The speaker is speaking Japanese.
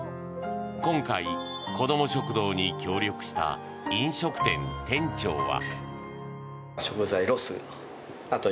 今回、子ども食堂に協力した飲食店店長は。